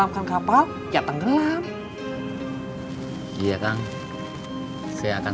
bahkan masalah yang besar bisa jadi besar